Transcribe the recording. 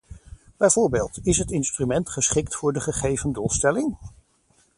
Bijvoorbeeld, is het instrument geschikt voor de gegeven doelstelling?